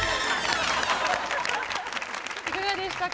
いかがでしたか？